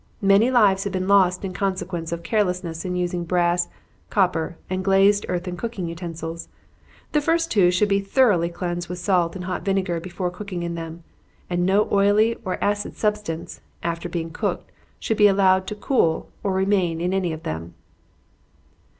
Many lives have been lost in consequence of carelessness in using brass, copper, and glazed earthen cooking utensils. The two first should be thoroughly cleansed with salt and hot vinegar before cooking in them, and no oily or acid substance, after being cooked, should be allowed to cool or remain in any of them.